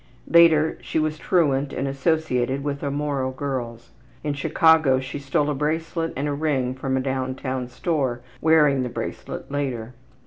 Later she was truant and associated with immoral girls. In Chicago she stole a bracelet and a ring from a down town store, wearing the bracelet later.